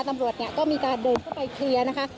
ตำรวจเนี่ยก็มีการเดินเข้าไปเคลียร์นะคะ